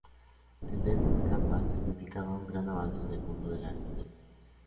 El Deep Canvas significaba un gran avance en el mundo de la animación.